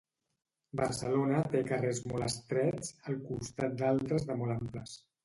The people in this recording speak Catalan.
Barcelona té carrers molt estrets, al costat d'altres de molt amples.